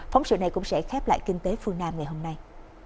phóng sự này cũng sẽ khép lại kinh tế phương nam ngày hôm nay